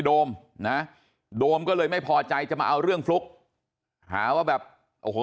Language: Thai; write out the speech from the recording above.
โดมนะโดมก็เลยไม่พอใจจะมาเอาเรื่องฟลุ๊กหาว่าแบบโอ้โห